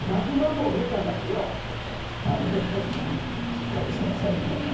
「しっかりしなさい」みたいな。